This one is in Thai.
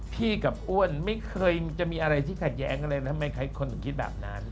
กับอ้วนไม่เคยจะมีอะไรที่ขัดแย้งอะไรนะทำไมคนถึงคิดแบบนั้น